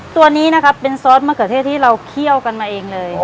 ตัวนี้นะครับเป็นซอสมะเขือเทศที่เราเคี่ยวกันมาเองเลย